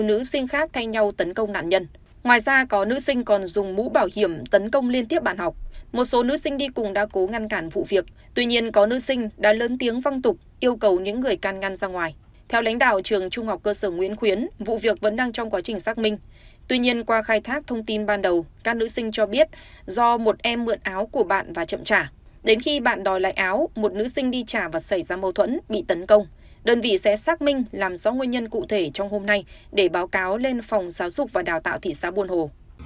đến khi bạn đòi lại áo một nữ sinh đi trả vật xảy ra mâu thuẫn bị tấn công đơn vị sẽ xác minh làm rõ nguyên nhân cụ thể trong hôm nay để báo cáo lên phòng giáo dục và đào tạo thị xã buôn hồ